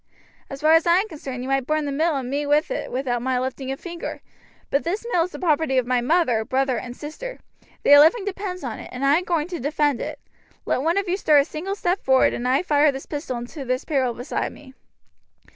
As far as I am concerned you might burn the mill and me with it without my lifting a finger; but this mill is the property of my mother, brother, and sister. Their living depends upon it, and I am going to defend it. Let one of you stir a single step forward and I fire this pistol into this barrel beside me."